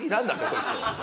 こいつ。